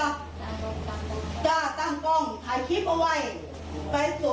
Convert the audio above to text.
รักลูกหลานเขาป่วยไม่ใช่ว่าไม่ป่วยแล้วน่ะ